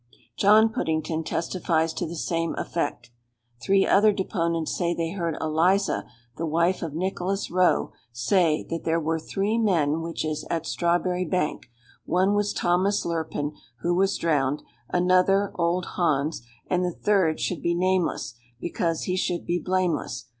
"John Puddington testifies to the same effect. "Three other deponents say they heard Eliza, the wife of Nicholas Rowe, say, that there were three men witches at Strawberry Bank; one was Thomas Lurpin, who was drowned; another, old Hans; and the third should be 'nameless,' because he should be blameless.